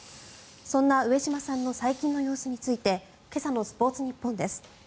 そんな上島さんの最近の様子について今朝のスポーツニッポンです。